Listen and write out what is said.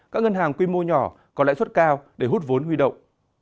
các ngân hàng quy mô nhỏ có lãi suất cao để hút vốn huy động